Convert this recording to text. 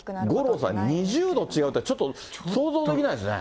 五郎さん、２０度違うって、ちょっと想像できないですね。